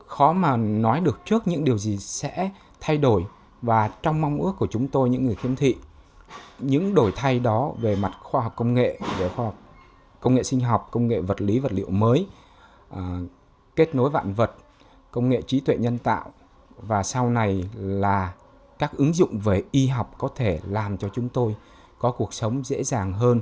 khó mà nói được trước những điều gì sẽ thay đổi và trong mong ước của chúng tôi những người khiếm thị những đổi thay đó về mặt khoa học công nghệ về khoa học công nghệ sinh học công nghệ vật lý vật liệu mới kết nối vạn vật công nghệ trí tuệ nhân tạo và sau này là các ứng dụng về y học có thể làm cho chúng tôi có cuộc sống dễ dàng